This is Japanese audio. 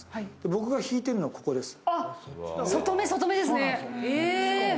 僕が引いてるのはここです。